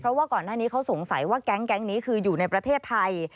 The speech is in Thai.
เพราะว่าก่อนหน้านี้เขาสงสัยว่าแก๊งนี้คืออยู่ในประเทศไทย